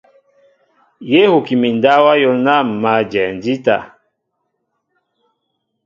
Yé huki mi ndáw áyól ná ḿ mǎl a jɛɛ ndíta.